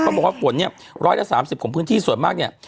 บอกว่าฝนเนี่ย๑๓๐ของพื้นที่ส่วนมากเนี่ย